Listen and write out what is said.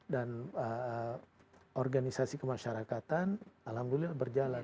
dan organisasi kemasyarakatan alhamdulillah berjalan